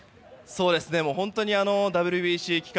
本当にＷＢＣ期間